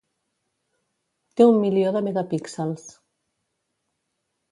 Té un milió de megapíxels.